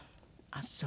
あっそう。